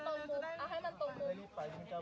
เมื่อเวลามีเวลาที่ไม่เห็น